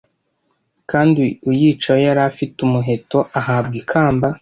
kandi uyicayeho yari afite umuheto ahabwa ikamba,